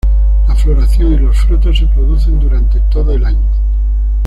La floración y los frutos se producen durante todo el año.